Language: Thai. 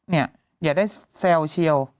อย่าได้แซวเชียว